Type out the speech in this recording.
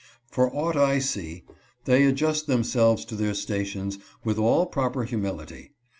For aught I see they adjust themselves to their stations with all proper humility.